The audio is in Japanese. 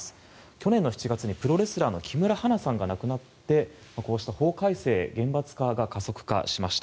去年の７月にプロレスラーの木村花さんが亡くなって、こうした法改正厳罰化が加速化しました。